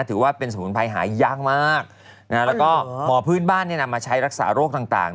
ถือว่าเป็นสมุนไพรหายากมากแล้วก็หมอพื้นบ้านนำมาใช้รักษาโรคต่าง